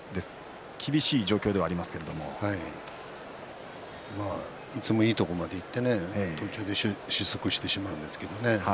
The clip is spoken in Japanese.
厳しい状況ではいつもいいところまでいって途中で失速してしまうんですけれどもね